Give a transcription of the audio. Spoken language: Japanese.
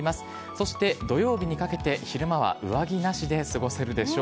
そして、土曜日にかけて昼間は上着なしで過ごせるでしょう。